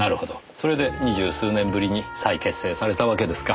それで二十数年ぶりに再結成されたわけですか。